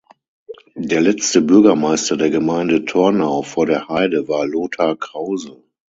Der letzte Bürgermeister der Gemeinde Tornau vor der Heide war Lothar Krause.